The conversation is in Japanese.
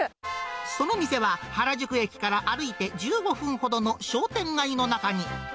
その店は、原宿駅から歩いて１５分ほどの商店街の中に。